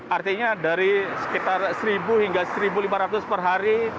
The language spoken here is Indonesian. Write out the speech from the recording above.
artinya dari sekitar satu hingga satu lima ratus per hari